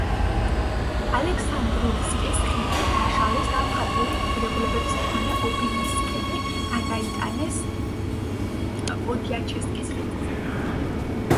არხის ამოვსების შემდეგ ალექსანდროვსკის ხიდი დაშალეს და მხატვრული ღირებულების მქონე ობელისკები გადაიტანეს პოდიაჩესკის ხიდზე.